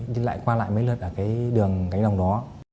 nhưng lại qua lại mấy lần ở cái đường gánh đồng đó